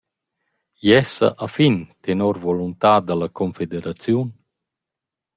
Gessa a fin, tenor la voluntà da la confederaziun.